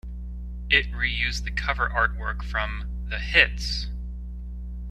It re-used the cover artwork from the Hits!